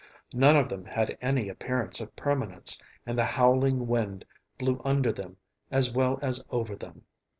None of them had any appearance of permanence, and the howling wind blew under them as well as over them.